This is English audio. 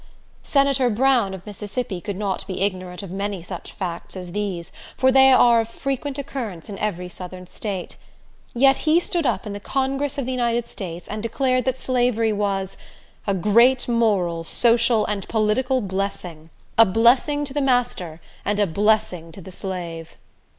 Senator Brown, of Mississippi, could not be ignorant of many such facts as these, for they are of frequent occurrence in every Southern State. Yet he stood up in the Congress of the United States, and declared that slavery was "a great moral, social, and political blessing; a blessing to the master, and a blessing to the slave!"